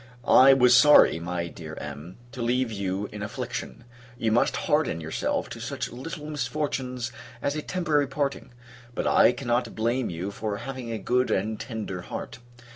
I was sorry, my dear Em. to leave you in affliction: you must harden yourself to such little misfortunes as a temporary parting; but, I cannot blame you for having a good and tender heart.